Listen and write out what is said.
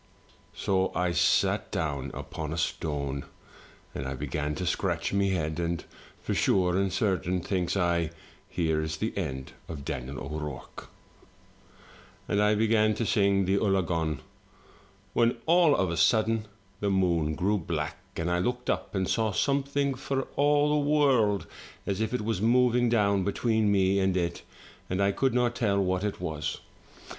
So I sat upon a stone, and I began to scratch my head, for, sure and certain, thinks I, here's the end o' Daniel O'Rourke. And 74 THROUGH FAIRY HALLS I began to sing the ULLAGONE — when all of a sudden the moon grew black, and I looked up and saw something for all the world as if it was moving down between me and it, and I could not tell what it was.